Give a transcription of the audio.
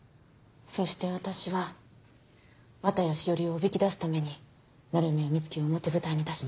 そして私は綿谷詩織をおびき出すために鳴宮美月を表舞台に出した。